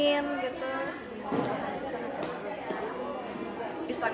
ini ada semua pisang